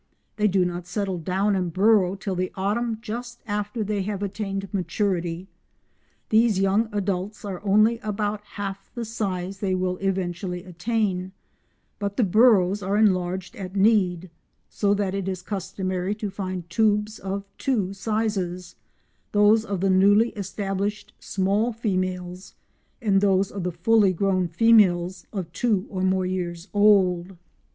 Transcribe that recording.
They do not settle down and burrow till the autumn just after they have attained maturity. These young adults are only about half the size they will eventually attain, but the burrows are enlarged at need, so that it is customary to find tubes of two sizes—those of the newly established small females, and those of the fully grown females of two or more years old.